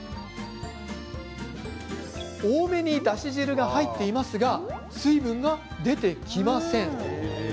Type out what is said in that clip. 多めにだし汁が入っていますが水分が出てきません。